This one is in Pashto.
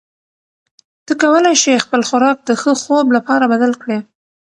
ته کولی شې خپل خوراک د ښه خوب لپاره بدل کړې.